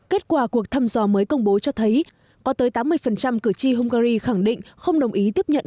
kết quả cuộc thăm dò mới công bố cho thấy có tới tám mươi cử tri hungary khẳng định không đồng ý tiếp nhận